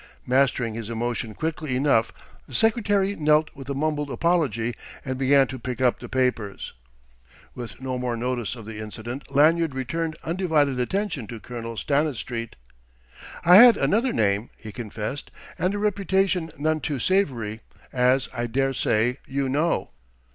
Mastering his emotion quickly enough, the secretary knelt with a mumbled apology and began to pick up the papers. With no more notice of the incident Lanyard returned undivided attention to Colonel Stanistreet. "I had another name," he confessed, "and a reputation none too savoury, as, I daresay, you know.